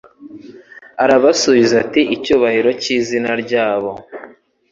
Arabasubiza ati Icyubahiro cy'izina ryabo